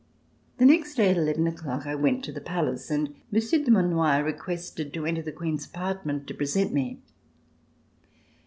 The next day at eleven o'clock, I went to the Palace, and Monsieur Dumanoir re quested to enter the Queen's apartment to present me.